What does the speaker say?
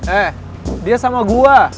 eh dia sama gue